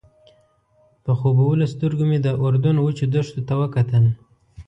په خوبولو سترګو مې د اردن وچو دښتو ته وکتل.